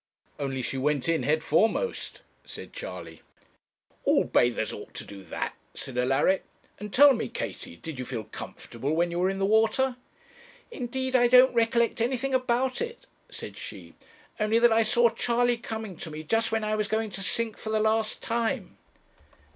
'Only she went in head foremost,' said Charley. 'All bathers ought to do that,' said Alaric; 'and tell me, Katie, did you feel comfortable when you were in the water?' 'Indeed I don't recollect anything about it,' said she, 'only that I saw Charley coming to me, just when I was going to sink for the last time.'